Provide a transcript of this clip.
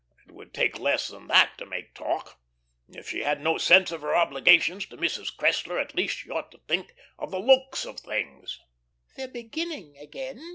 It would take less than that to make talk. If she had no sense of her obligations to Mrs. Cressler, at least she ought to think of the looks of things.